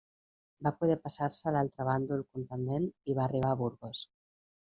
Va poder passar-se a l'altre bàndol contendent i va arribar a Burgos.